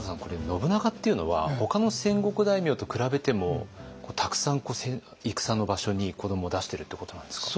信長っていうのはほかの戦国大名と比べてもたくさん戦の場所に子どもを出してるってことなんですか？